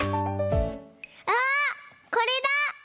あっこれだ！